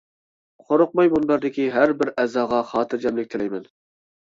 قورقماي مۇنبەردىكى ھەر بىر ئەزاغا خاتىرجەملىك تىلەيمەن!